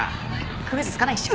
区別つかないっしょ。